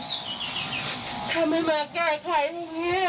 ทำไมมาแก้ไขอย่างนี้